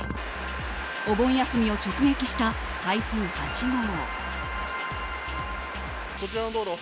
お盆休みを直撃した台風８号。